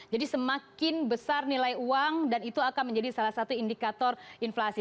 jadi semakin besar nilai uang dan itu akan menjadi salah satu indikator inflasi